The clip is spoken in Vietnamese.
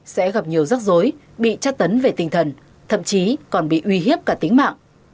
sẽ gặp nhiều rắc rối bị chắc tấn về tinh thần thậm chí còn bị uy hiếp cả tính mạng